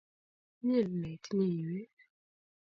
Inyendet ne itinye iywek